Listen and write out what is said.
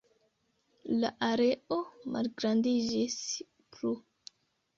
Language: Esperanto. La areo malgrandiĝis plu.